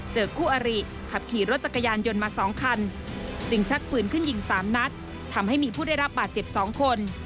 คู่อริขับขี่รถจักรยานยนต์มา๒คันจึงชักปืนขึ้นยิง๓นัดทำให้มีผู้ได้รับบาดเจ็บ๒คน